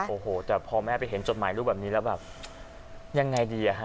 โอ้โหแต่พอแม่ไปเห็นจดหมายลูกแบบนี้แล้วแบบยังไงดีอ่ะฮะ